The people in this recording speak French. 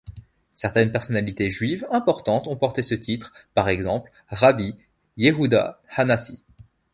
Certaines personnalités juives importantes ont porté ce titre, par exemple Rabbi Yehouda HaNassi.